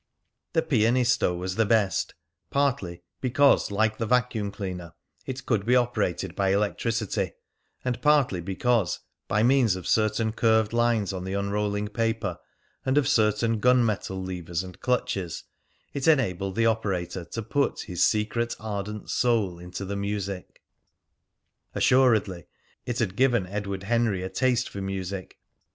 The "Pianisto" was the best, partly because, like the vacuum cleaner, it could be operated by electricity, and partly because, by means of certain curved lines on the unrolling paper, and of certain gun metal levers and clutches, it enabled the operator to put his secret ardent soul into the music. Assuredly it had given Edward Henry a taste for music.